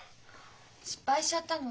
失敗しちゃったの。